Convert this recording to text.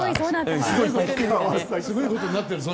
すごいことになってるぞ！